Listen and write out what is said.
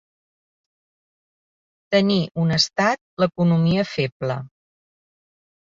Tenir, un estat, l'economia feble.